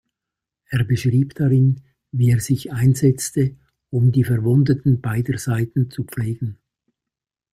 Er beschrieb darin, wie er sich einsetzte, um die Verwundeten beider Seiten zu pflegen.